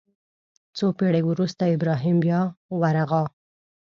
څو پېړۍ وروسته ابراهیم بیا ورغاوه.